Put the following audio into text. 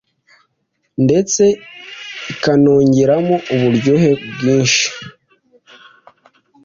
ndetse ikanongeramo uburyohe bwimshi.